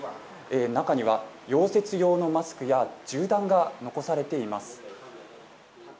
中には溶接用のマスクや銃弾が残されています。